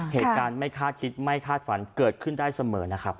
เหตุการณ์ไม่คาดคิดไม่คาดฝันเกิดขึ้นได้เสมอนะครับ